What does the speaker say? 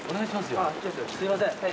すいません。